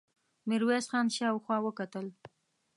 ميرويس خان شاوخوا وکتل.